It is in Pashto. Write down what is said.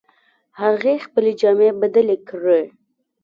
هغې خپلې جامې بدلې کړې